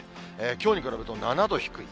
きょうに比べると７度低い。